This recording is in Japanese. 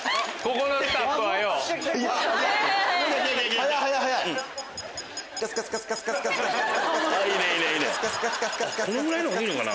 このぐらいの方がいいのかな。